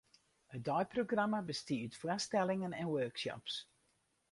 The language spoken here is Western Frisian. It deiprogramma bestie út foarstellingen en workshops.